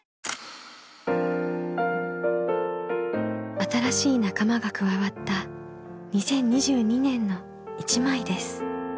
新しい仲間が加わった２０２２年の一枚です。